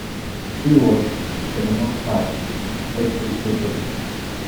He was, for the most part, self-educated.